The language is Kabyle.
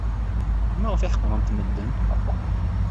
Maɣef ay ḥeqrent medden?